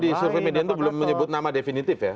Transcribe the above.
di survei median itu belum menyebut nama definitif ya